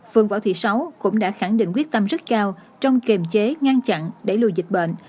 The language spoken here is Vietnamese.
phương võ thị sáu cũng đã khẳng định quyết tâm rất cao trong kiềm chế ngăn chặn đẩy lùi dịch bệnh